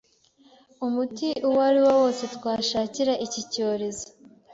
Umuti uwariwo wose twashakira iki cyorezo,